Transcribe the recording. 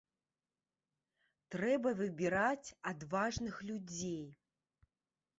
Трэба выбіраць адважных людзей.